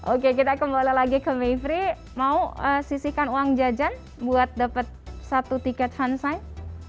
oke kita kembali lagi ke mayfrey mau sisihkan uang jajan buat dapet satu tiket hansign